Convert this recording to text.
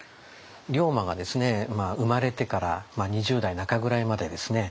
龍馬が生まれてから２０代中ぐらいまでですね